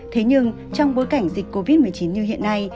thế nhưng trong bối cảnh dịch covid một mươi chín như hiện nay